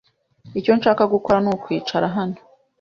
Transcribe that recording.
Icyo nshaka gukora nukwicara hano.